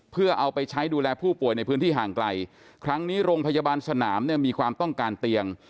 เพื่อเอาไปใช้ดูแลผู้ป่วยในพื้นที่ห่างไกลครั้งนี้โรงพยาบาลสนามเนี่ยมีความต้องการเตียง